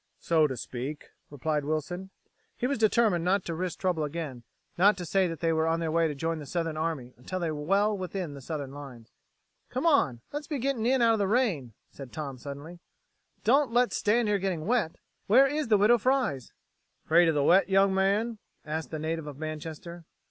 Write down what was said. "So to speak," replied Wilson. He was determined not to risk trouble again, not to say that they were on their way to join the Southern army until they were well within the Southern lines. "Come on, let's be getting in out of the rain," said Tom suddenly. "Don't let's stand here getting wet. Where is the Widow Fry's?" "'Fraid of the wet, young man?" asked the native of Manchester.